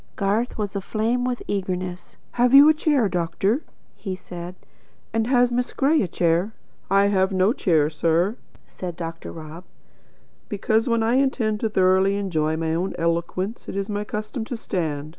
Garth was aflame With eagerness. "Have you a chair, doctor?" he said. "And has Miss Gray a chair?" "I have no chair, sir," said Dr. Rob, "because when I intend thoroughly to enjoy my own eloquence it is my custom to stand.